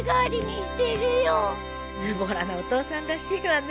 ずぼらなお父さんらしいわね。